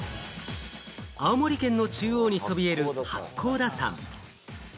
青森県の中央にそびえる八甲田山。